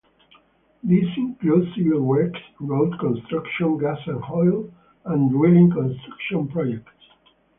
These include civil works, road construction, gas and oil, and drilling construction projects.